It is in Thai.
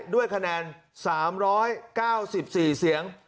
ด้วยคะแนน๓๙๔เสียง